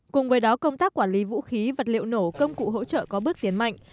cùng với đó công tác quản lý vũ khí vật liệu nổ công cụ hỗ trợ có bước tiến mạnh